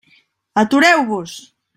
Atureu-vos!